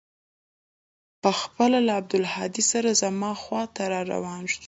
پخپله له عبدالهادي سره زما خوا ته راروان سو.